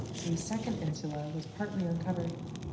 A second insula was partly uncovered.